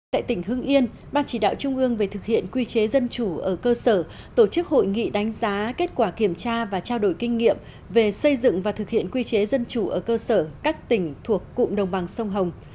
tại tỉnh hưng yên ban chỉ đạo trung ương về thực hiện quy chế dân chủ ở cơ sở tổ chức hội nghị đánh giá kết quả kiểm tra và trao đổi kinh nghiệm về xây dựng và thực hiện quy chế dân chủ ở cơ sở các tỉnh thuộc cụm đồng bằng sông hồng